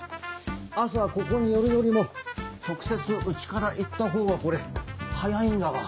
朝ここに寄るよりも直接家から行ったほうがこれ早いんだわ。